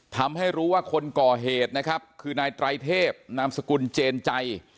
ทำให้รู้ว่าคนก่อเหตุนะครับคือนายไตรเทพนามสกุลเจนใจ